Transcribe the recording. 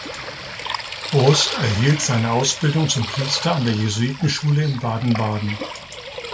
Rost erhielt seine Ausbildung zum Priester an der Jesuitenschule in Baden-Baden.